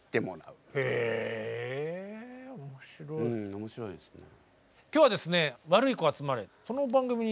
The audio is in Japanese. うん面白いですね。